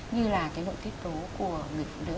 như là cái nội tiết tố của lực nước